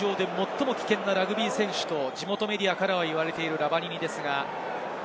地球上で最も危険なラグビー選手と地元メディアから言われているラバニニです。